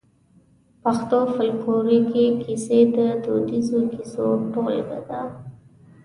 پښتو فولکلوريکي کيسې د دوديزو کيسو ټولګه ده.